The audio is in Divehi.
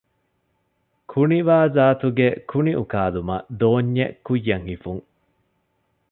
ކުނިވާޒާތުގެ ކުނިއުކާލުމަށް ދޯންޏެއް ކުއްޔަށް ހިފުން